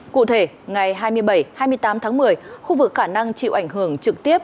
cụ thể ngày hai mươi bảy hai mươi tám tháng một mươi khu vực khả năng chịu ảnh hưởng trực tiếp